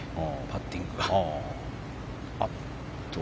パッティングが。